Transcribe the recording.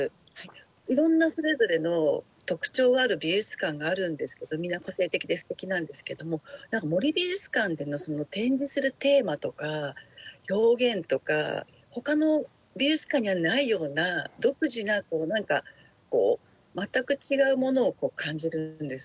いろんなそれぞれの特徴がある美術館があるんですけどみんな個性的ですてきなんですけども森美術館での展示するテーマとか表現とかほかの美術館にはないような独自な全く違うものを感じるんですね。